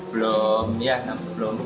belum ya belum